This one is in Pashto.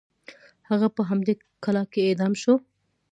هغه په همدې کلا کې اعدام شو.